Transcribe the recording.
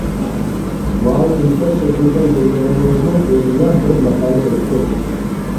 ماۋۇ ئىنكاس شەكلىدە يوللىغىنىڭىزنىڭ ئۆزىلا بىر ماقالە بوپتۇ.